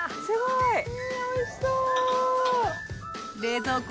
いやおいしそう！